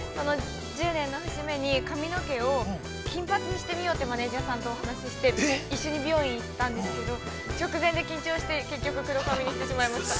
◆１年の節目に、髪の毛を金髪にしてみようとマネジャーさんとお話しして、美容院に行ったんですけど、直前で緊張して結局黒髪にしてしまいました。